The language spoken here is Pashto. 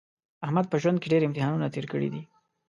احمد په ژوند کې ډېر امتحانونه تېر کړي دي.